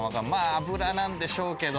油なんでしょうけど。